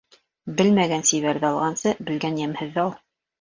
Белмәгән сибәрҙе алғансы, белгән йәмһеҙҙе ал.